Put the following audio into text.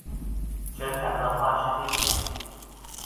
全彩漫畫世界歷史